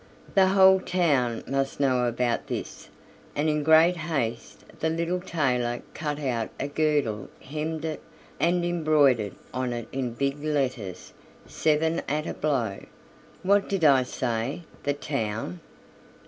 "The whole town must know about this"; and in great haste the little tailor cut out a girdle, hemmed it, and embroidered on it in big letters, "Seven at a blow." "What did I say, the town?